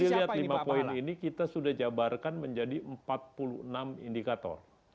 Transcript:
dari situ dilihat lima poin ini kita sudah jabarkan menjadi empat puluh enam indikator